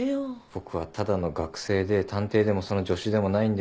僕はただの学生で探偵でもその助手でもないんですよ。